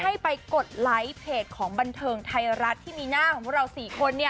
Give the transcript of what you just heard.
ให้ไปกดไลค์เพจของบันเทิงไทยรัฐที่มีหน้าของพวกเรา๔คน